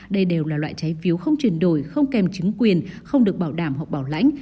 đây đều là loại trái phiếu không chuyển đổi không kèm chứng quyền không được bảo đảm hoặc bảo lãnh